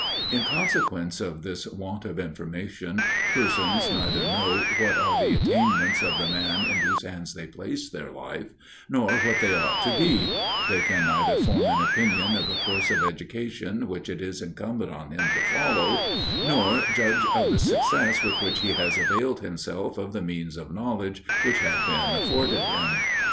In consequence of this want of information, persons neither know what are the attainments of the man in whose hands they place their life, nor what they ought to be; they can neither form an opinion of the course of education which it is incumbent on him to follow, nor judge of the success with which he has availed himself of the means of knowledge which have been afforded him.